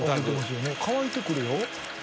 乾いてくるよ。